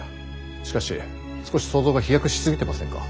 しかし少し想像が飛躍しすぎてませんか？